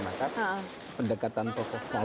maka pendekatan tokoh keagamaan